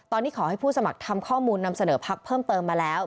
ตอนนี้ขอให้ผู้สมัครทำข้อมูลนำเสนอพักเพิ่มเติมมาแล้ว